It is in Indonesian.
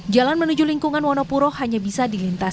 jalan menuju lingkungan wonopuro hanya bisa dilintas